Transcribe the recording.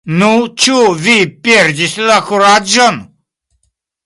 Nu, ĉu vi perdis la kuraĝon?